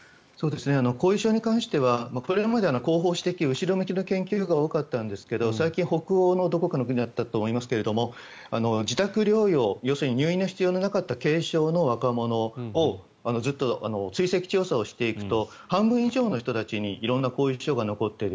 後遺症に関してはこれまで後ろ向きの研究が多かったんですが最近、北欧のどこかの国だったと思いますが自宅療養、要するに入院の必要のなかった軽症の若者をずっと追跡調査をしていくと半分以上の人たちに色んな後遺症が残っている。